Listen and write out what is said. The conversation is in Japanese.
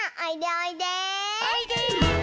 おいで。